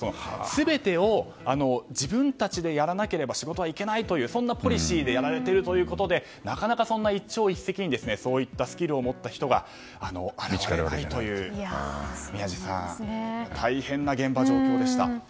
全てを自分たちでやらなければ仕事はいけないというポリシーでやられているということでなかなかそんな一朝一夕にそういったスキルを持った人は現れないという大変な現場の状況でした。